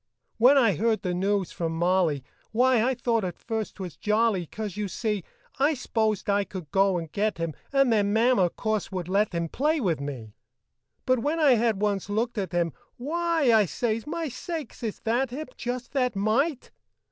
When I heard the news from Molly, Why, I thought at first 't was jolly, 'Cause, you see, I s'posed I could go and get him And then Mama, course, would let him Play with me. But when I had once looked at him, "Why!" I says, "My sakes, is that him? Just that mite!"